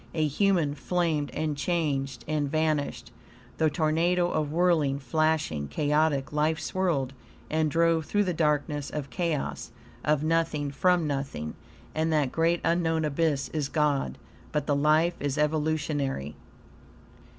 A human flamed and changed and vanished. The tornado of whirling, flashing, chaotic life swirled and drove through the darkness of chaos of nothing from nothing and that great, unknown abyss is God! But the life is EVOLUTIONARY.